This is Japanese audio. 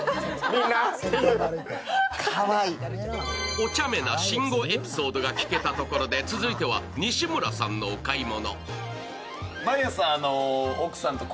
お茶目な慎吾エピソードが聞けたところで続いては西村さんのお買い物。